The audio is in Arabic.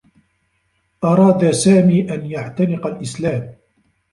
أراد سامي أن يعتنق الإسلام.